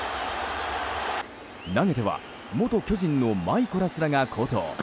投げては元巨人のマイコラスらが好投。